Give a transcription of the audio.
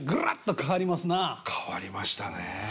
変わりましたね。